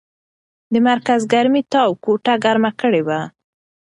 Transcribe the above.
د مرکز ګرمۍ تاو کوټه ګرمه کړې وه.